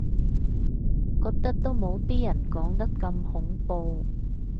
覺得都冇啲人講得咁恐怖